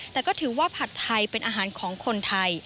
แต่ก็ถือว่าผัดไทยเป็นอาหารของคนไทย